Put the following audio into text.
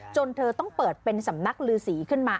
เธอต้องเปิดเป็นสำนักลือสีขึ้นมา